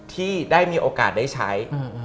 ที่ได้มีโอกาสได้ใช้